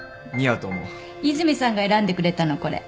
和泉さんが選んでくれたのこれ。